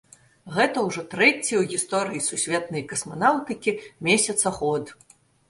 Гэта ўжо трэці ў гісторыі сусветнай касманаўтыкі месяцаход.